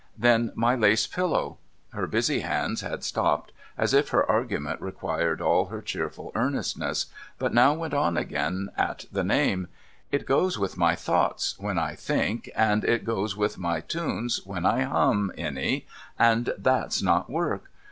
Then my lace pillow ;' her busy hands had stopped, as if her argument required all her cheerful earnestness, but now went on again at the name ;* it goes with my thoughts when I think, and it goes with my tunes when I hum any, and t/mfs not work.